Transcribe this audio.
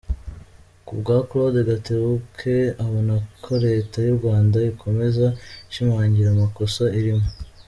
Kubwa Claude Gatebuke, abona ko leta y’u Rwanda ikomeza ishimangira amakosa irimo.